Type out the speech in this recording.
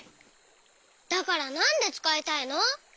だからなんでつかいたいの？